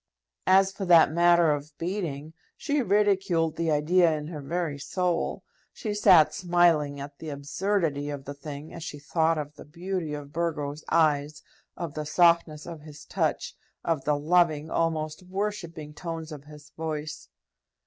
As for that matter of beating, she ridiculed the idea in her very soul. She sat smiling at the absurdity of the thing as she thought of the beauty of Burgo's eyes, of the softness of his touch, of the loving, almost worshipping, tones of his voice.